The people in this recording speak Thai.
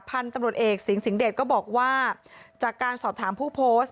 พันธุ์ตำรวจเอกสิงสิงหเดชก็บอกว่าจากการสอบถามผู้โพสต์